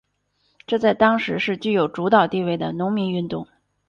这在当时是具有主导地位的农民运动。